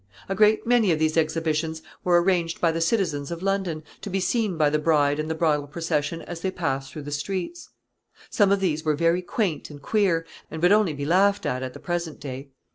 A great many of these exhibitions were arranged by the citizens of London, to be seen by the bride and the bridal procession as they passed through the streets. Some of these were very quaint and queer, and would only be laughed at at the present day.